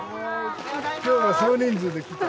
今日は少人数で来た？